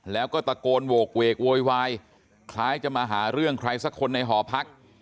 แล้วก็ตะโกนโหกเวกโวยวายคล้ายจะมาหาเรื่องใครสักคนในหอพัก